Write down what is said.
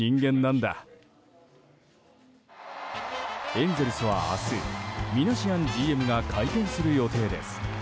エンゼルスは明日ミナシアンＧＭが会見する予定です。